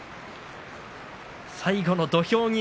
最後の土俵際。